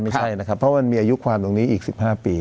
ไม่ใช่นะครับเพราะมันมีอายุความตรงนี้อีก๑๕ปี